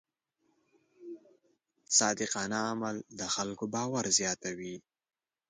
صادقانه عمل د خلکو باور زیاتوي.